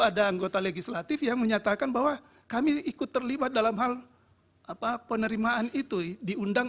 ada anggota legislatif yang menyatakan bahwa kami ikut terlibat dalam hal apa penerimaan itu diundang